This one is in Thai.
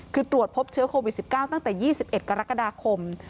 คือตรวจพบเชื้อโควิด๑๙ตั้งแต่๒๑กรกฎาคม